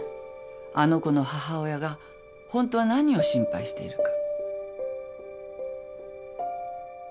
あの子の母親がホントは何を心配しているか。